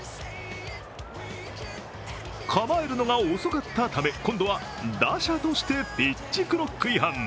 構えるのが遅かったため今度は打者としてピッチクロック違反。